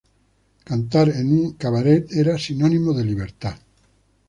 Cantar en un cabaret era sinónimo de libertad.